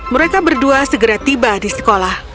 mereka berdua segera tiba di sekolah